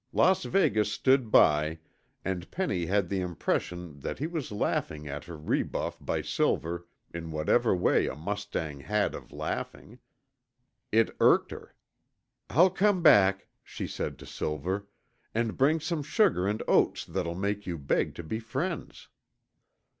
Las Vegas stood by, and Penny had the impression that he was laughing at her rebuff by Silver in whatever way a mustang had of laughing. It irked her. "I'll come back," she said to Silver, "and bring some sugar and oats that'll make you beg to be friends."